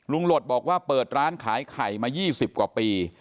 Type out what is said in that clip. หลดบอกว่าเปิดร้านขายไข่มา๒๐กว่าปี